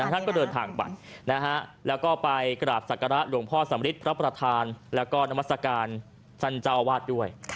ท่านก็เดินทางบันแล้วก็ไปกราบศักระหลวงพ่อสมฤทธิ์รับประทานแล้วก็นามศการสรรเจ้าวาดด้วย